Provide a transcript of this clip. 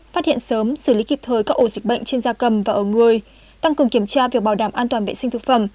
phát hiện sớm xử lý kịp thời các ổ dịch bệnh trên da cầm và ở người tăng cường kiểm tra việc bảo đảm an toàn vệ sinh thực phẩm